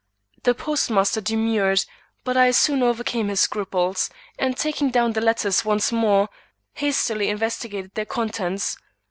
The postmaster demurred, but I soon overcame his scruples; and taking down the letters once more, hastily investigated their contents.